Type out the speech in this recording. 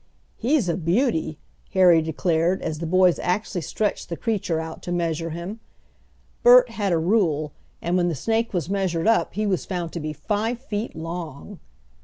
"He's a beauty!" Harry declared, as the boys actually stretched the creature out to measure him. Bert had a rule, and when the snake was measured up he was found to be five feet long!